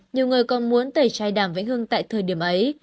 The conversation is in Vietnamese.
nhiều người còn muốn tẩy chai đàm vĩnh hương tại thời điểm ấy